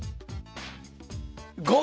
５！